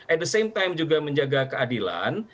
at the same time juga menjaga keadilan